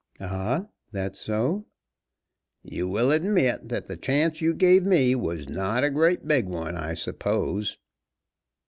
"Ah! that so?" "You will admit that the chance you gave me was not a great big one, I suppose."